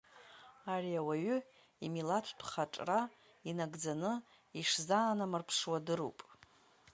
Ари ауаҩы имилаҭтә хаҿра инагӡаны ишзаанамырԥшуа дыруп.